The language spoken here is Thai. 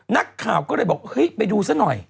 นักข่าวก็เลยบอกเฮ้ยไปดูซะหน่อย